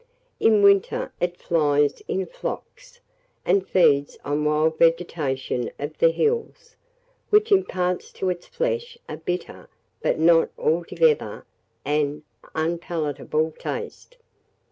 In winter, it flies in flocks, and feeds on the wild vegetation of the hills, which imparts to its flesh a bitter, but not altogether an unpalatable taste.